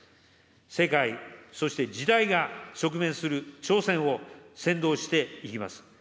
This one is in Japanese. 世界、そして時代が直面する挑戦を先導していきます。